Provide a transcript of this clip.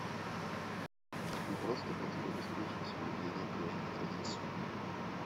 Мы просто хотим обеспечить соблюдение прежних традиций.